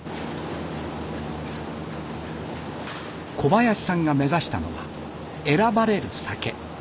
小林さんが目指したのは「選ばれる酒」。